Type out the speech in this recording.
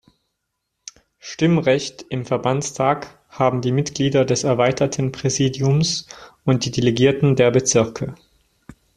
Stimmrecht im Verbandstag haben die Mitglieder des Erweiterten Präsidiums und die Delegierten der Bezirke.